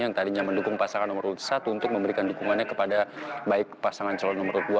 yang tadinya mendukung pasangan nomor urut satu untuk memberikan dukungannya kepada baik pasangan calon nomor urut dua